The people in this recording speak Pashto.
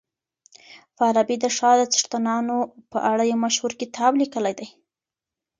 فارابي د ښار د څښتنانو په اړه يو مشهور کتاب ليکلی دی.